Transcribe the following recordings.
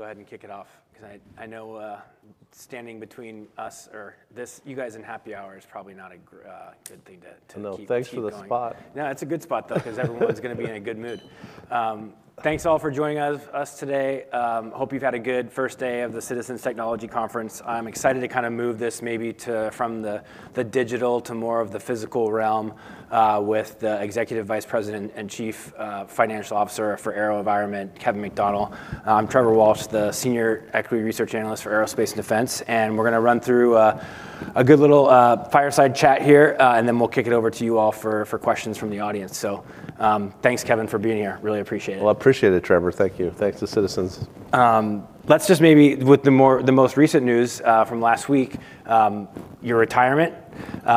We'll go ahead and kick it off 'cause I know, standing between us or this, you guys in happy hour is probably not a good thing to keep- No, thanks for the spot.... to keep going. No, it's a good spot though 'cause everyone's gonna be in a good mood. Thanks all for joining us today. Hope you've had a good first day of the Citizens Technology Conference. I'm excited to kinda move this maybe to from the digital to more of the physical realm, with the Executive Vice President and Chief Financial Officer for AeroVironment, Kevin McDonnell. I'm Trevor Walsh, the Senior Equity Research Analyst for Aerospace and Defense, and we're gonna run through a good little fireside chat here, and then we'll kick it over to you all for questions from the audience. Thanks Kevin for being here. Really appreciate it. Well, I appreciate it, Trevor. Thank you. Thanks to Citizens. Let's just maybe with the more, the most recent news, from last week, your retirement,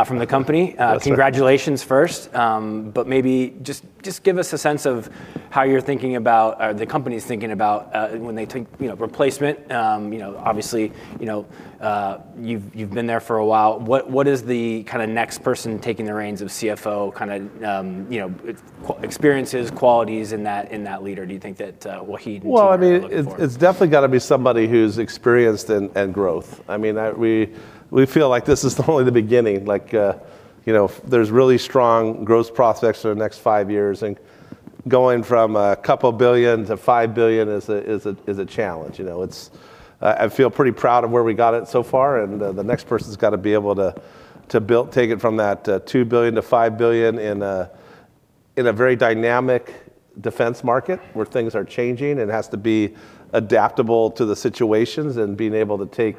from the company. That's right. Congratulations first. Maybe just give us a sense of how you're thinking about or the company's thinking about when they take, you know, replacement. You know, obviously, you know, you've been there for a while. What is the kind of next person taking the reins of CFO kind of, you know, experiences, qualities in that leader, do you think that Wahid and team- Well, I mean-... are looking for?... it's definitely gotta be somebody who's experienced in growth. I mean, we feel like this is only the beginning. You know, there's really strong growth prospects for the next five years, going from $2 billion to $5 billion is a challenge. You know, I feel pretty proud of where we got it so far, the next person's gotta be able to take it from that $2 billion to $5 billion in a very dynamic defense market where things are changing and has to be adaptable to the situations and being able to take.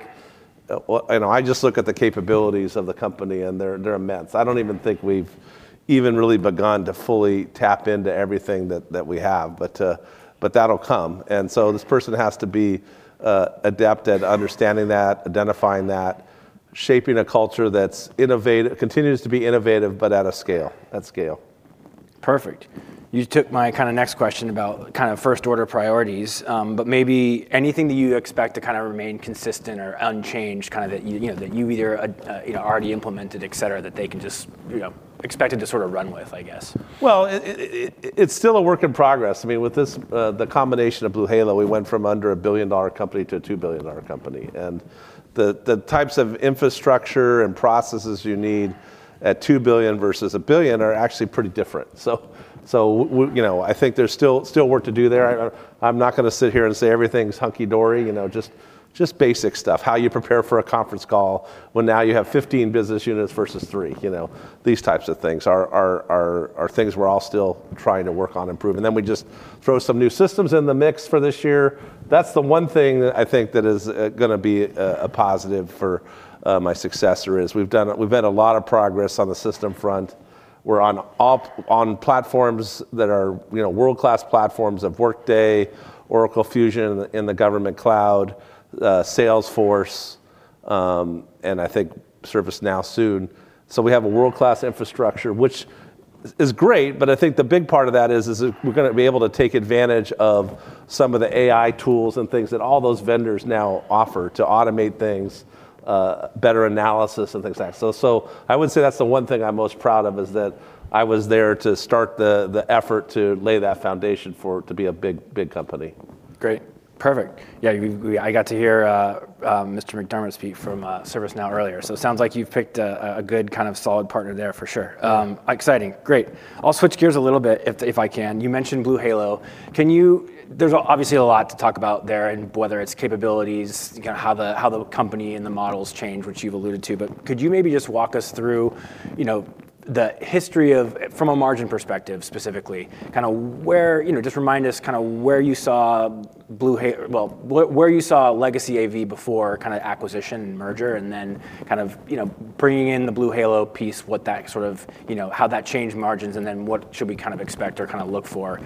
I just look at the capabilities of the company and they're immense. I don't even think we've even really begun to fully tap into everything that we have. That'll come. This person has to be adept at understanding that, identifying that, shaping a culture that's innovative, continues to be innovative but at a scale, at scale. Perfect. You took my kind of next question about kind of first-order priorities. Maybe anything that you expect to kind of remain consistent or unchanged kind of that you know, that you either, you know, already implemented, et cetera, that they can just, you know, expected to sort of run with, I guess? Well, it's still a work in progress. I mean, with this, the combination of BlueHalo, we went from under a $1 billion-dollar company to a $2 billion-dollar company, and the types of infrastructure and processes you need at $2 billion versus $1 billion are actually pretty different. We, you know, I think there's still work to do there. I'm not gonna sit here and say everything's hunky dory. You know, just basic stuff. How you prepare for a conference call when now you have 15 business units versus three, you know. These types of things are things we're all still trying to work on improving. We just throw some new systems in the mix for this year. That's the one thing that I think that is, gonna be a positive for, my successor, is we've done, we've made a lot of progress on the system front. We're on all, on platforms that are, you know, world-class platforms of Workday, Oracle Fusion in the, in the government cloud, Salesforce, and I think ServiceNow soon. We have a world-class infrastructure, which is great, but I think the big part of that is it, we're gonna be able to take advantage of some of the AI tools and things that all those vendors now offer to automate things, better analysis and things like that. I would say that's the one thing I'm most proud of, is that I was there to start the effort to lay that foundation for it to be a big, big company. Great. Perfect. Yeah, I got to hear Mr. McDermott speak from ServiceNow earlier. It sounds like you've picked a good kind of solid partner there for sure. Exciting. Great. I'll switch gears a little bit if the, if I can. You mentioned BlueHalo. Can you... There's obviously a lot to talk about there and whether it's capabilities, you know, how the, how the company and the models change, which you've alluded to. Could you maybe just walk us through, you know, the history of, from a margin perspective specifically, kinda where, you know, just remind us kinda where you saw legacy AV before kinda acquisition and merger, and then kind of, you know, bringing in the BlueHalo piece, what that sort of, you know, how that changed margins and then what should we kinda expect or kinda look for,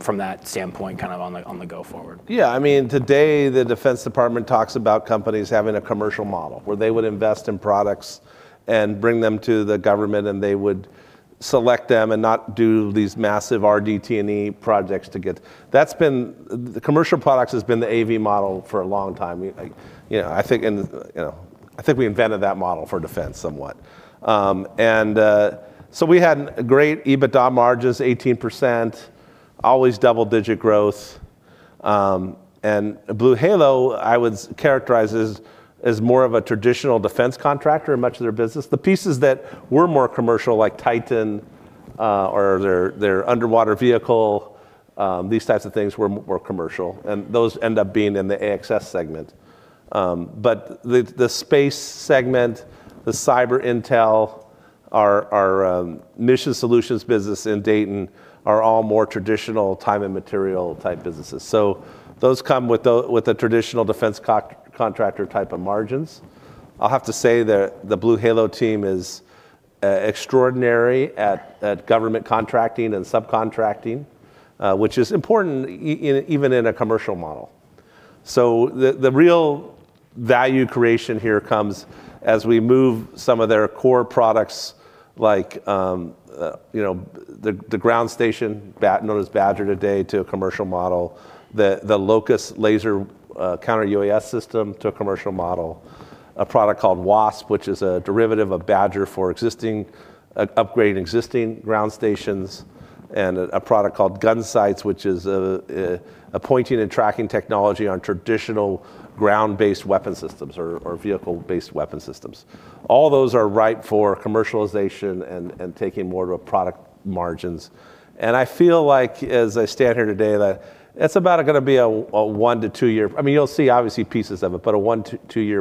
from that standpoint, kinda on the, on the go forward? Yeah. I mean, today the Defense Department talks about companies having a commercial model where they would invest in products and bring them to the government and they would select them and not do these massive RDT&E projects to get. The commercial products has been the AV model for a long time. We, you know, I think we invented that model for defense somewhat. So we had great EBITDA margins, 18%, always double-digit growth. BlueHalo, I would characterize as more of a traditional defense contractor in much of their business. The pieces that were more commercial, like Titan, or their underwater vehicle, these types of things were commercial, and those end up being in the AxS segment. The, the space segment, the cyber intel, our mission solutions business in Dayton are all more traditional time and material-type businesses. Those come with the, with the traditional defense contractor type of margins. I'll have to say that the BlueHalo team is extraordinary at government contracting and subcontracting, which is important even in a commercial model. The, the real value creation here comes as we move some of their core products like, you know, the ground station known as BADGER today, to a commercial model. The LOCUST laser Counter-UAS system to a commercial model. A product called Wasp, which is a derivative of BADGER for existing, upgrading existing ground stations. A product called Gunsights, which is a pointing and tracking technology on traditional ground-based weapon systems or vehicle-based weapon systems. All those are ripe for commercialization and taking more of a product margins. I feel like as I stand here today that it's about gonna be a one to two year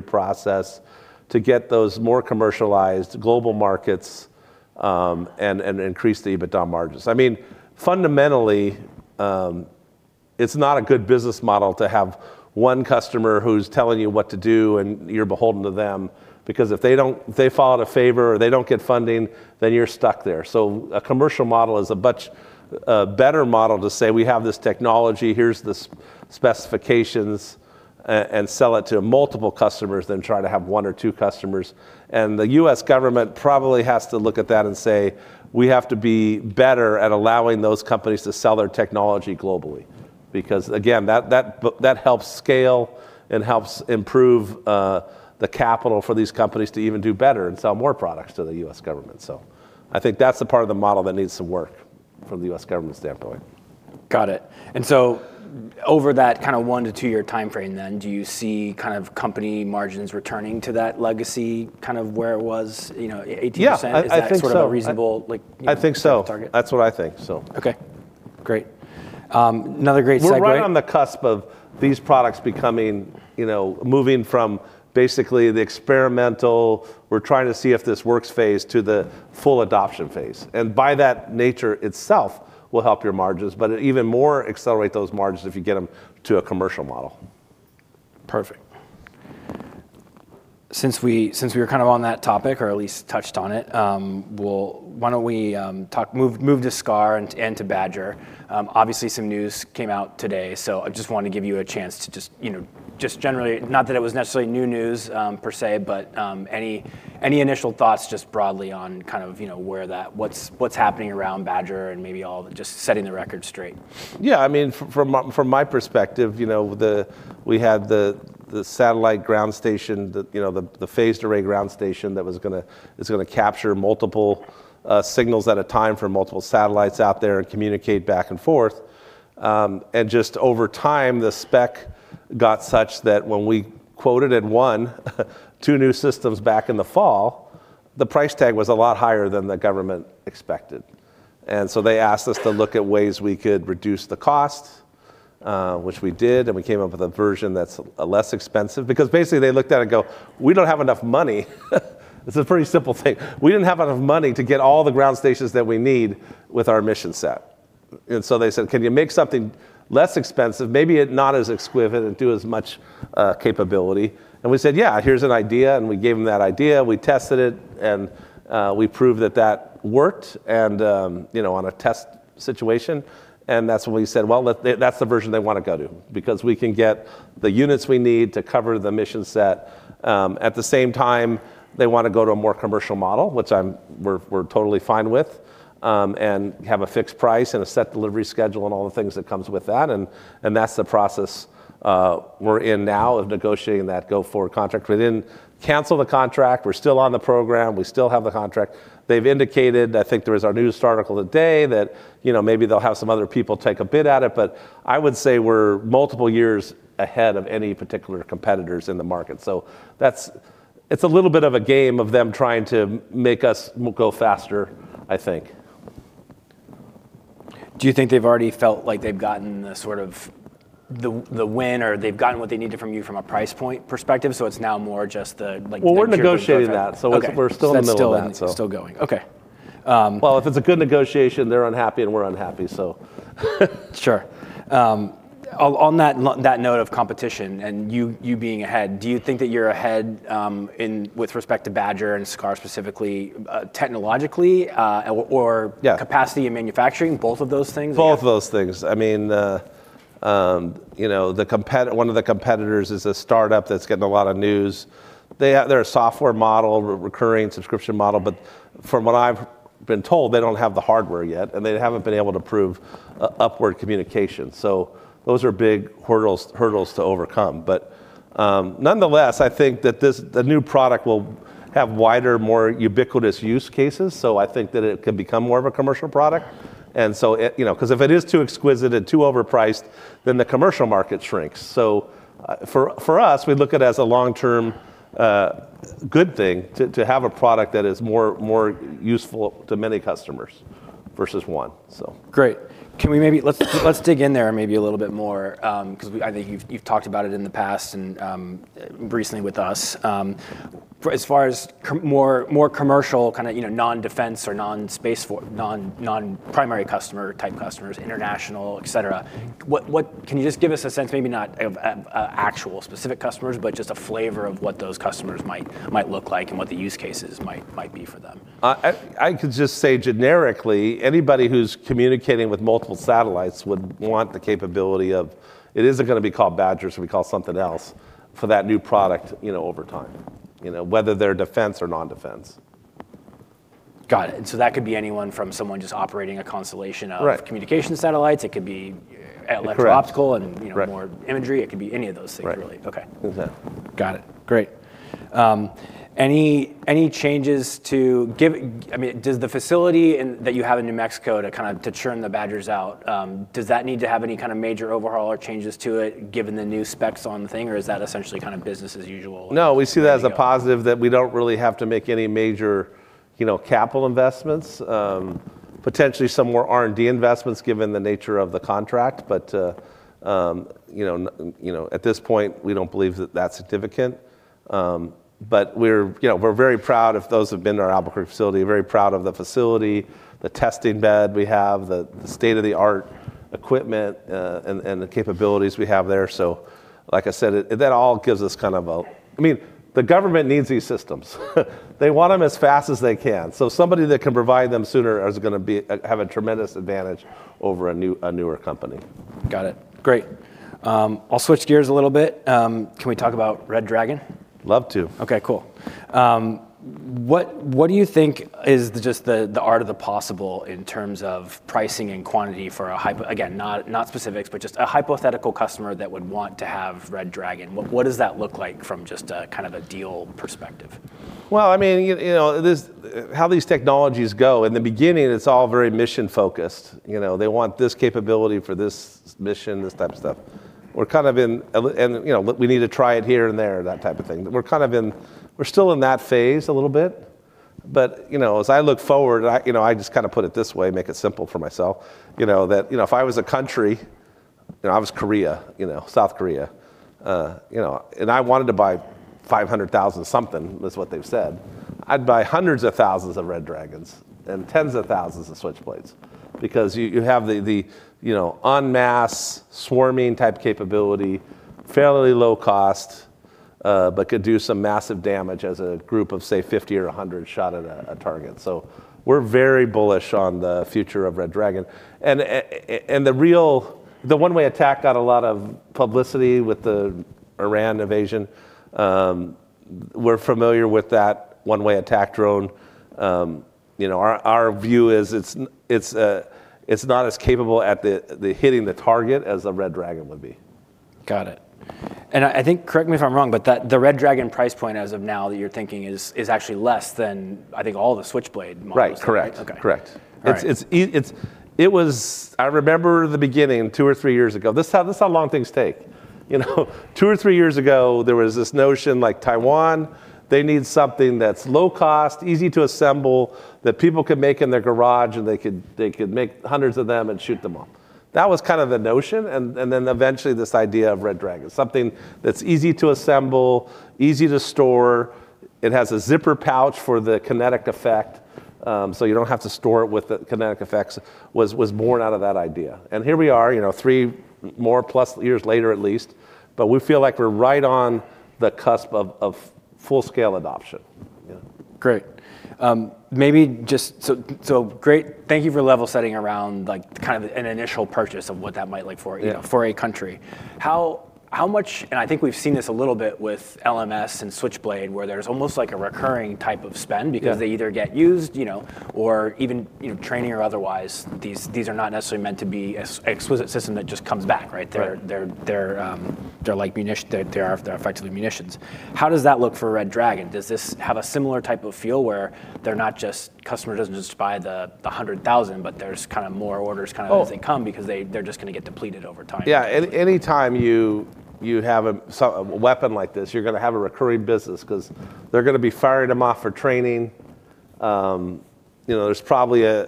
process to get those more commercialized, global markets, and increase the EBITDA margins. I mean, fundamentally, it's not a good business model to have one customer who's telling you what to do and you're beholden to them because if they fall out of favor, or they don't get funding, then you're stuck there. A commercial model is a much better model to say, "We have this technology, here's the specifications," and sell it to multiple customers than try to have one or two customers. The U.S. government probably has to look at that and say, "We have to be better at allowing those companies to sell their technology globally." Again, that helps scale and helps improve the capital for these companies to even do better and sell more products to the U.S. government, so I think that's the part of the model that needs some work from the U.S. government standpoint. Got it. Over that kind of one to two year timeframe then, do you see kind of company margins returning to that legacy, kind of where it was, you know, 18%? Yeah. I think so. Is that sort of a reasonable, like, you know? I think so. Target? That's what I think, so. Okay. Great. another great segue. We're right on the cusp of these products becoming, you know, moving from basically the experimental, we're trying to see if this works phase, to the full adoption phase. By that nature itself will help your margins, but even more accelerate those margins if you get them to a commercial model. Perfect. Since we're kind of on that topic, or at least touched on it, why don't we move to SCAR and to BADGER? Obviously some news came out today, so I just want to give you a chance to just, you know, just not that it was necessarily new news, per se, but any initial thoughts just broadly on kind of, you know, where that, what's happening around BADGER and maybe all just setting the record straight? Yeah. I mean, from my perspective, you know, we had the satellite ground station, you know, the phased array ground station that was gonna capture multiple signals at a time from multiple satellites out there and communicate back and forth. Just over time, the spec got such that when we quoted and won two new systems back in the fall, the price tag was a lot higher than the government expected. So they asked us to look at ways we could reduce the cost, which we did. We came up with a version that's less expensive because basically they looked at it and go, "We don't have enough money." It's a pretty simple thing. We didn't have enough money to get all the ground stations that we need with our mission set." They said, "Can you make something less expensive, maybe it not as exquisite and do as much capability?" We said, "Yeah. Here's an idea." We gave them that idea. We tested it, and we proved that that worked, and, you know, on a test situation. That's when we said, "Well, that's the version they wanna go to because we can get the units we need to cover the mission set." At the same time, they wanna go to a more commercial model, which we're totally fine with, and have a fixed price and a set delivery schedule and all the things that comes with that. That's the process we're in now of negotiating that go forward contract. We didn't cancel the contract. We're still on the program. We still have the contract. They've indicated, I think there was our news article today, that, you know, maybe they'll have some other people take a bid at it, but I would say we're multiple years ahead of any particular competitors in the market. That's, it's a little bit of a game of them trying to make us go faster, I think. Do you think they've already felt like they've gotten the sort of the win or they've gotten what they needed from you from a price point perspective, so it's now more just like the maturity of the contract? Well, we're negotiating that. Okay. We're still in the middle of that. it's still going. Okay. Well, if it's a good negotiation, they're unhappy and we're unhappy, so. Sure. On that note of competition and you being ahead, do you think that you're ahead, in with respect to BADGER and SCAR specifically, technologically, or- Yeah.... capacity and manufacturing? Both of those things or- Both of those things. I mean, you know, one of the competitors is a startup that's getting a lot of news. They're a software model, recurring subscription model, but from what I've been told, they don't have the hardware yet, and they haven't been able to prove upward communication. Those are big hurdles to overcome. Nonetheless, I think that this, the new product will have wider, more ubiquitous use cases, so I think that it can become more of a commercial product. It, you know, because if it is too exquisite and too overpriced, then the commercial market shrinks. For us, we look at it as a long-term good thing to have a product that is more useful to many customers versus one, so. Great. Let's dig in there maybe a little bit more, I think you've talked about it in the past and recently with us. As far as more commercial kinda, you know, non-defense or non-space, for non-primary customer type customers, international, et cetera, what can you just give us a sense, maybe not of actual specific customers, but just a flavor of what those customers might look like and what the use cases might be for them? I could just say generically, anybody who's communicating with multiple satellites would want the capability of, it isn't gonna be called BADGER, so we call something else, for that new product, you know, over time, you know, whether they're defense or non-defense. Got it. That could be anyone from someone just operating a constellation of- Right.... communication satellites. It could be- Correct.... electro-optical and, you know- Right.... more imagery. It could be any of those things really. Right. Okay. Exactly. Got it. Great. Any changes to give... I mean, does the facility that you have in New Mexico to churn the BADGERs out, does that need to have any major overhaul or changes to it given the new specs on the thing, or is that essentially business as usual? No, we see that as a positive that we don't really have to make any major, you know, capital investments. Potentially some more R&D investments given the nature of the contract. You know, at this point, we don't believe that that's significant. But we're, you know, we're very proud of those who've been to our Albuquerque facility, very proud of the facility, the testing bed we have, the state-of-the-art equipment, and the capabilities we have there. Like I said, that all gives us kind of a... I mean, the government needs these systems. They want them as fast as they can. Somebody that can provide them sooner is gonna be, have a tremendous advantage over a new, a newer company. Got it. Great. I'll switch gears a little bit. Can we talk about Red Dragon? Love to. Okay, cool. What do you think is just the art of the possible in terms of pricing and quantity for a again, not specifics, but just a hypothetical customer that would want to have Red Dragon? What does that look like from just a, kind of a deal perspective? Well, I mean, you know, this, how these technologies go, in the beginning, it's all very mission-focused. You know, they want this capability for this mission, this type of stuff. We're kind of in and, you know, we need to try it here and there, that type of thing. We're still in that phase a little bit. You know, as I look forward, I, you know, I just kinda put it this way, make it simple for myself, you know, that, you know, if I was a country, you know, I was Korea, you know, South Korea, you know, and I wanted to buy 500,000 something, that's what they've said, I'd buy hundreds of thousands of Red Dragons and tens of thousands of Switchblades. You have the, you know, en masse swarming type capability, fairly low cost, but could do some massive damage as a group of, say, 50 or 100 shot at a target. We're very bullish on the future of Red Dragon. The one-way attack got a lot of publicity with the Iran invasion. We're familiar with that one-way attack drone. You know, our view is it's not as capable at the hitting the target as a Red Dragon would be. Got it. I think, correct me if I'm wrong, but that, the Red Dragon price point as of now that you're thinking is actually less than, I think, all the Switchblade models. Right. Correct. Okay. Correct. All right. It was, I remember the beginning two or three years ago. This is how long things take, you know? Two or three years ago, there was this notion like Taiwan, they need something that's low cost, easy to assemble, that people can make in their garage, and they could make hundreds of them and shoot them off. That was kind of the notion, and then eventually this idea of Red Dragon, something that's easy to assemble, easy to store. It has a zipper pouch for the kinetic effect, so you don't have to store it with the kinetic effects, was born out of that idea. Here we are, you know, three more plus years later at least, but we feel like we're right on the cusp of full-scale adoption. Yeah. Great. Thank you for level setting around like kind of an initial purchase of what that might look for- Yeah.... you know, for a country. How much, and I think we've seen this a little bit with LMS and Switchblade, where there's almost like a recurring type of spend- Yeah.... because they either get used, you know, or even, you know, training or otherwise, these are not necessarily meant to be exquisite system that just comes back, right? Right. They're like effectively munitions. How does that look for Red Dragon? Does this have a similar type of feel where they're not just, customer doesn't just buy the $100,000, but there's kinda more orders kind of- Oh.... as they come because they're just gonna get depleted over time? Yeah. Anytime you have a, so a weapon like this, you're gonna have a recurring business 'cause they're gonna be firing them off for training. You know, there's probably a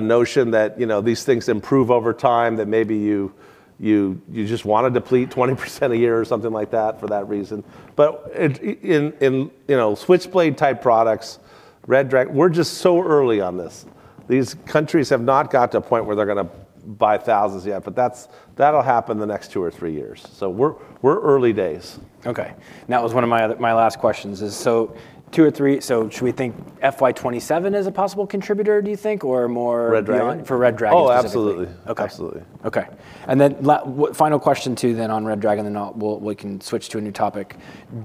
notion that, you know, these things improve over time, that maybe you just wanna deplete 20% a year or something like that for that reason. In, you know, Switchblade type products, Red Dragon, we're just so early on this. These countries have not got to a point where they're gonna buy thousands yet, that's, that'll happen the next two or three years. We're early days. Okay. That was one of my my last questions is, so two or three, so should we think FY 2027 as a possible contributor, do you think, or more? Red Dragon? For Red Dragon specifically. Oh, absolutely. Okay. Absolutely. Okay. Final question too then on Red Dragon, then I'll, we'll, we can switch to a new topic.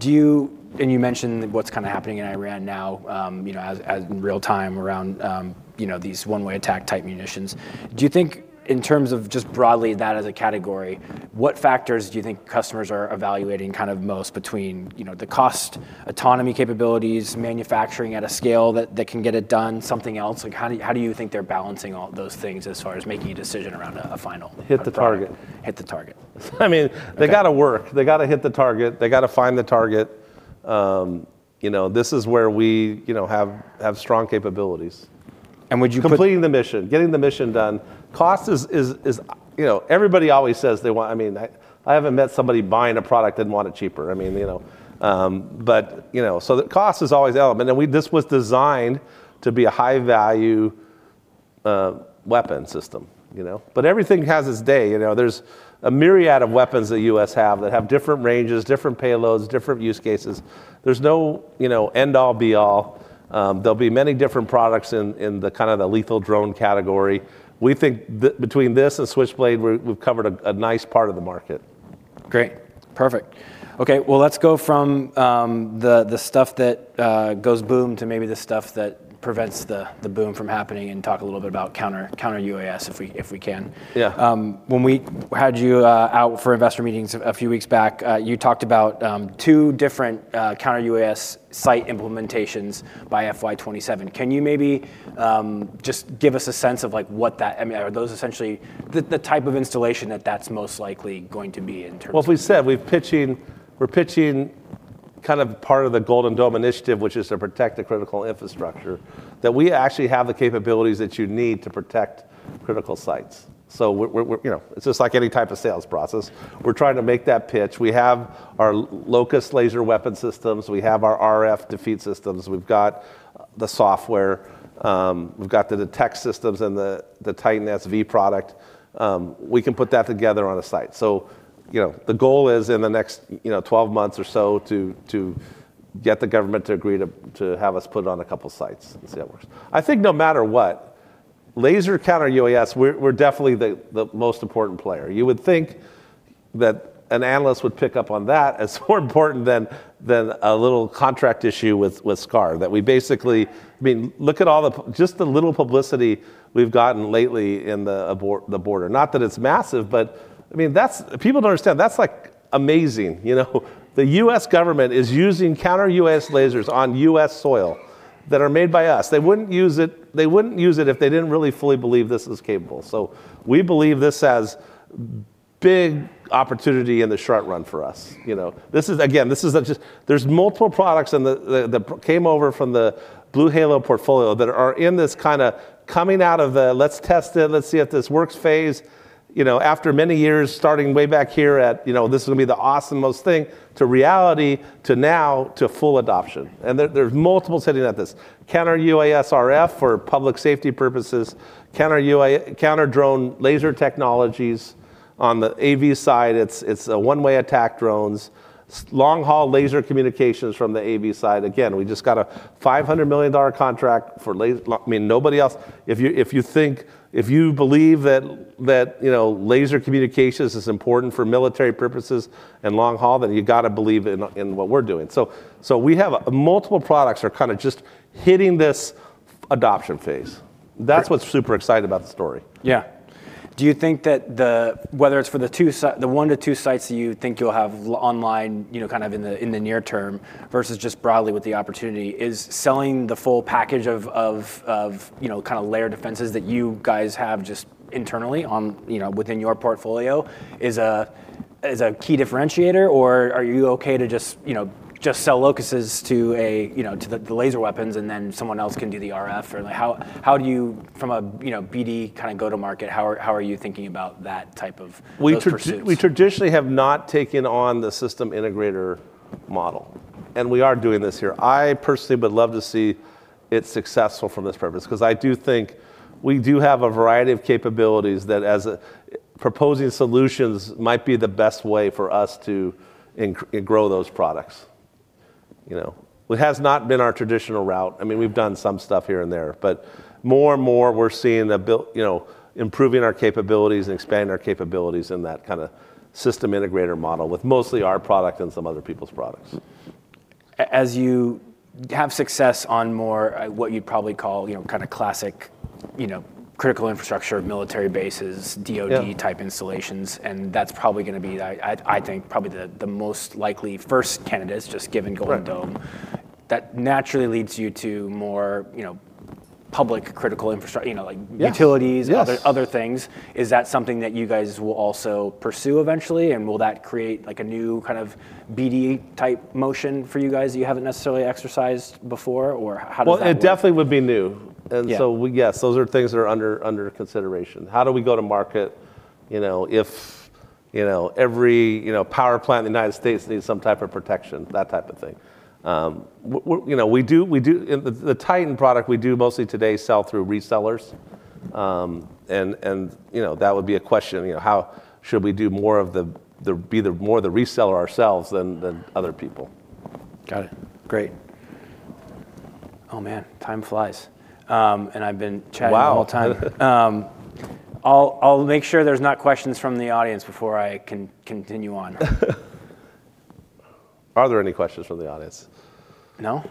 You mentioned what's kinda happening in Iran now, you know, as in real time around, you know, these one-way attack type munitions. Do you think in terms of just broadly that as a category, what factors do you think customers are evaluating kind of most between, you know, the cost, autonomy capabilities, manufacturing at a scale that can get it done, something else? Like how do you think they're balancing all those things as far as making a decision around a final-? Hit the target. Hit the target. I mean- Okay.... they gotta work. They gotta hit the target. They gotta find the target. you know, this is where we, you know, have strong capabilities. And would you put- Completing the mission, getting the mission done. Cost is, you know, everybody always says they want. I mean, I haven't met somebody buying a product that want it cheaper. I mean, you know. You know, so the cost is always the element. This was designed to be a high value weapon system, you know. Everything has its day, you know. There's a myriad of weapons the U.S. have that have different ranges, different payloads, different use cases. There's no, you know, end all be all. There'll be many different products in the kinda the lethal drone category. We think between this and Switchblade, we've covered a nice part of the market. Great. Perfect. Okay, well, let's go from the stuff that goes boom to maybe the stuff that prevents the boom from happening and talk a little bit about counter-UAS if we can. Yeah. When we had you out for investor meetings a few weeks back, you talked about two different Counter-UAS site implementations by FY 2027. Can you maybe just give us a sense of, like, I mean, are those essentially the type of installation that's most likely going to be in terms of? Well, as we said, we're pitching, kind of part of the Golden Dome initiative, which is to protect the critical infrastructure, that we actually have the capabilities that you need to protect critical sites. We're, you know, it's just like any type of sales process. We're trying to make that pitch. We have our LOCUST laser weapon systems, we have our RF defeat systems, we've got the software, we've got the detect systems and the Titan-SV product. We can put that together on a site. You know, the goal is in the next, you know, 12 months or so to get the government to agree to have us put it on a couple sites and see how it works. I think no matter what, laser Counter-UAS, we're definitely the most important player. You would think that an analyst would pick up on that as more important than a little contract issue with SCAR. I mean, look at all the just the little publicity we've gotten lately in the border. Not that it's massive, I mean, that's. People don't understand, that's, like, amazing, you know? The U.S. government is using counter-UAS lasers on U.S. soil that are made by us. They wouldn't use it if they didn't really fully believe this is capable. We believe this has big opportunity in the short run for us. You know? This is, again, There's multiple products that came over from the BlueHalo portfolio that are in this kind of coming out of the let's test it, let's see if this works phase. You know, after many years, starting way back here at, you know, this is going to be the awesome-most thing, to reality, to now, to full adoption. There, there's multiples hitting at this. Counter-UAS RF for public safety purposes, counter-UAS, counter drone laser technologies. On the AV side it's one-way attack drones. Long haul laser communications from the AV side. Again, we just got a $500 million contract for I mean, nobody else. If you think, if you believe that, you know, laser communications is important for military purposes and long haul, then you got to believe in what we're doing. We have, multiple products are kind of just hitting this adoption phase. Great. That's what's super exciting about the story. Yeah. Do you think that the, whether it's for the one to two sites you think you'll have online, you know, kind of in the, in the near term, versus just broadly with the opportunity, is selling the full package of, you know, kind of layered defenses that you guys have just internally on, you know, within your portfolio is a, is a key differentiator? Or are you okay to just, you know, just sell LOCUSTs to a, you know, to the laser weapons and then someone else can do the RF? Or like how do you from a, you know, BD kind of go to market, how are you thinking about that type of, those pursuits? We traditionally have not taken on the system integrator model. We are doing this here. I personally would love to see it successful from this purpose, 'cause I do think we do have a variety of capabilities that as Proposing solutions might be the best way for us to grow those products, you know? It has not been our traditional route. I mean, we've done some stuff here and there, but more and more we're seeing the you know, improving our capabilities and expanding our capabilities in that kind of system integrator model with mostly our product and some other people's products. As you have success on more, what you'd probably call, you know, kinda classic, you know, critical infrastructure, military bases. Yeah. DOD type installations, and that's probably gonna be the, I think probably the most likely first candidates just given Golden Dome. Right. That naturally leads you to more, you know, public critical infrastru- you know, like utilities. Yes, yes. Other things. Is that something that you guys will also pursue eventually? Will that create, like, a new kind of BD type motion for you guys that you haven't necessarily exercised before? How does that work? Well, it definitely would be new. Yeah. Yes, those are things that are under consideration. How do we go to market, you know, if, you know, every, you know, power plant in the United States needs some type of protection, that type of thing. you know, we do In the Titan product we do mostly today sell through resellers. and, you know, that would be a question. You know, how should we do more of the, be the, more the reseller ourselves than other people. Got it. Great. Oh, man. Time flies. I've been chatting- Wow.... the whole time. I'll make sure there's not questions from the audience before I continue on. Are there any questions from the audience? No?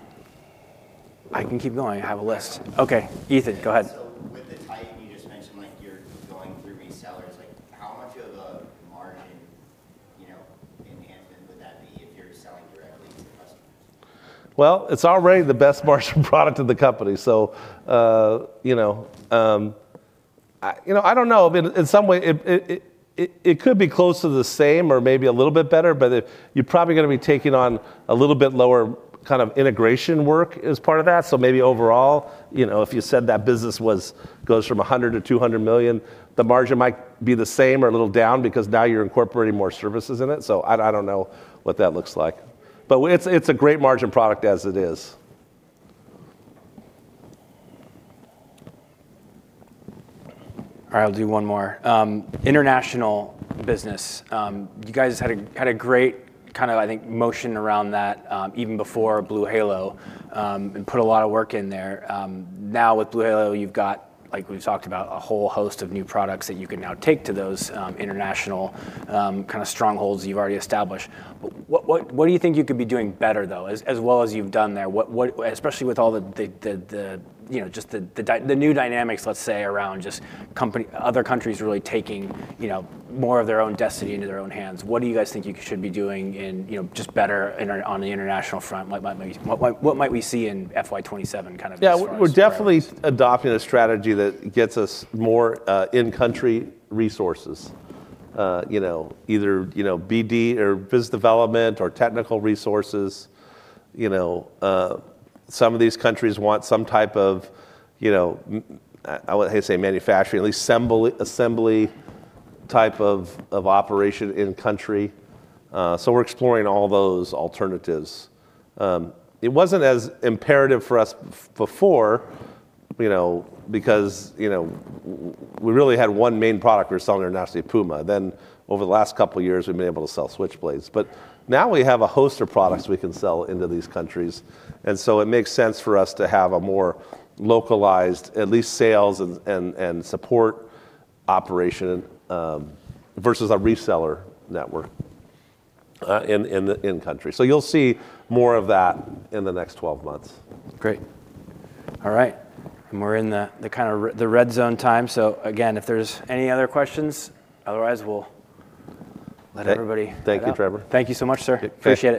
I can keep going. I have a list. Okay, Ethan, go ahead. With the Titan you just mentioned, like, you're going through resellers. Like, how much of a margin, you know, enhancement would that be if you're selling directly to customers? Well, it's already the best margin product in the company. You know, I, you know, I don't know. I mean, in some way it could be close to the same or maybe a little bit better, but, you're probably gonna be taking on a little bit lower kind of integration work as part of that. Maybe overall, you know, if you said that business was, goes from $100 million-$200 million, the margin might be the same or a little down because now you're incorporating more services in it. I don't know what that looks like. It's, it's a great margin product as it is. All right, I'll do one more. International business. You guys had a great kind of, I think, motion around that, even before BlueHalo, and put a lot of work in there. Now with BlueHalo you've got, like we've talked about, a whole host of new products that you can now take to those international, kind of strongholds you've already established. What do you think you could be doing better, though? As well as you've done there, what, especially with all the, you know, just the new dynamics, let's say, around just company, other countries really taking, you know, more of their own destiny into their own hands. What do you guys think you should be doing in, you know, just better on the international front? What might we see in FY 2027 kind of in the story as well? Yeah. We're definitely adopting a strategy that gets us more in-country resources. You know, either, you know, BD or business development or technical resources. You know, some of these countries want some type of, you know, manufacturing, at least assembly type of operation in country. We're exploring all those alternatives. It wasn't as imperative for us before, you know, because, you know, we really had one main product we were selling internationally, Puma. Over the last couple years we've been able to sell Switchblades. Now we have a host of products we can sell into these countries, it makes sense for us to have a more localized at least sales and support operation versus a reseller network in the country. you'll see more of that in the next 12 months. Great. All right. We're in the kind of red zone time, again, if there's any other questions. Otherwise, we'll let everybody head out. Thank you, Trevor. Thank you so much, sir. Thank you. Appreciate it.